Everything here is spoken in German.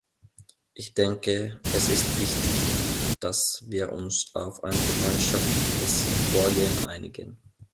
Ich denke, es ist wichtig, dass wir uns auf ein gemeinschaftliches Vorgehen einigen.